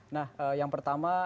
nah yang pertama